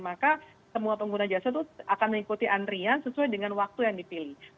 maka semua pengguna jasa itu akan mengikuti antrian sesuai dengan waktu yang dipilih